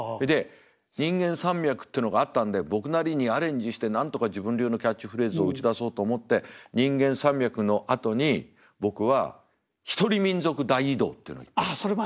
で人間山脈っていうのがあったんで僕なりにアレンジしてなんとか自分流のキャッチフレーズを打ち出そうと思って人間山脈のあとに僕は「一人民族大移動」っていうのを言った。